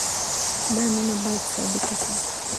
دا مینه باید ثابته کړو.